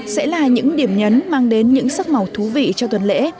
sẽ là những điểm nhấn mang đến những sắc màu thú vị cho tuần lễ